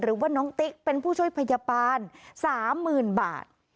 หรือว่าน้องติ๊กเป็นผู้ช่วยพยาบาล๓๐๐๐บาท